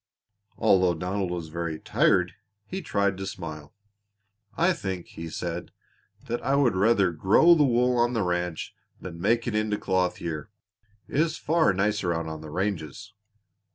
Although Donald was very tired he tried to smile. "I think," he said, "that I would rather grow the wool on the ranch than make it into cloth here. It is far nicer out on the ranges."